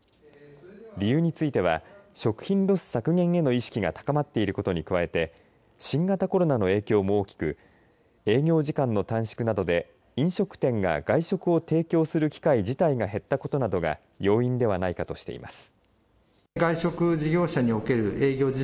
理由については食品ロス削減への意識が高まっていることに加えて新型コロナの影響も大きく営業時間の短縮などで飲食店が会食を提供する機会自体が減ったことなどが要因ではないかとしています。